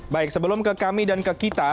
baik sebelum ke kami dan ke kita